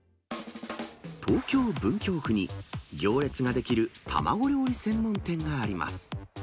東京・文京区に、行列が出来る卵料理専門店があります。